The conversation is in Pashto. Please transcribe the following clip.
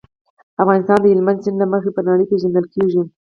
افغانستان د هلمند سیند له مخې په نړۍ پېژندل کېږي.